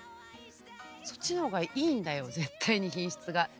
そっちの方がいいんだよ絶対に品質が。